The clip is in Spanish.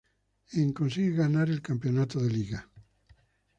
En consigue ganar el campeonato de Liga.